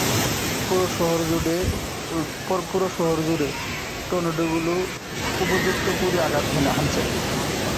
পুরো শহরজুড়ে টর্নেডোগুলো উপর্যুপুরি আঘাত হানছে!